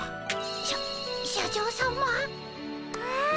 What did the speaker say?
しゃ社長さま。わ。